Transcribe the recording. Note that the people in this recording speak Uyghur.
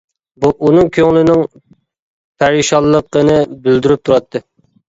بۇ ئۇنىڭ كۆڭلىنىڭ پەرىشانلىقىنى بىلدۈرۈپ تۇراتتى.